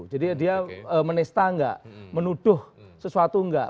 jadi dia menesta enggak menuduh sesuatu enggak